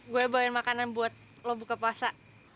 gue bawain makanan buat lo buka puasa